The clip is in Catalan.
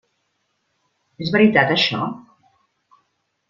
És veritat això?